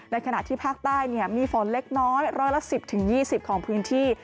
ขณะที่ภาคใต้มีฝนเล็กน้อยร้อยละ๑๐๒๐ของพื้นที่